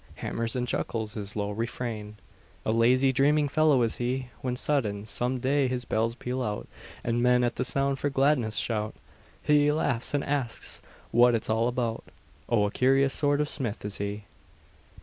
Hammers and chuckles his low refrain, A lazy, dreaming fellow is he: When sudden, some day, his bells peal out, And men, at the sound, for gladness shout; He laughs and asks what it's all about; Oh, a curious sort of smith is he.